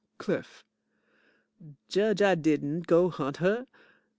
CLIFF Judge, I didn't go hunt her.